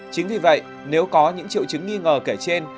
chính vì vậy nếu có những triệu chứng nghi ngờ kể trên